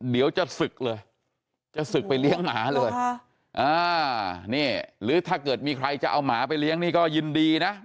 เดี๋ยวจะศึกเลยจะศึกไปเลี้ยงหมาเลยนี่หรือถ้าเกิดมีใครจะเอาหมาไปเลี้ยงนี่ก็ยินดีนะ